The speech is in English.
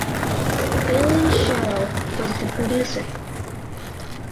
Billy Sherrill was the producer.